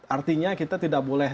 artinya kita tidak boleh